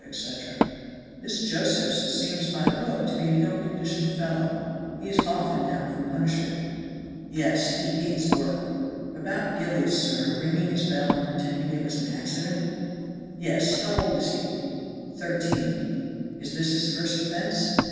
etc. "This Josephs seems by the book to be an ill conditioned fellow; he is often down for punishment." "Yes! he hates work. About Gillies, sir ringing his bell and pretending it was an accident?" "Yes! how old is he?" "Thirteen." "Is this his first offense?"